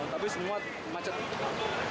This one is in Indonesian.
tapi semua macet